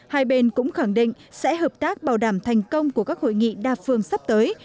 hai bên cũng khẳng định sẽ hợp tác bảo đảm thành công của các hội nghị đa phương sắp tới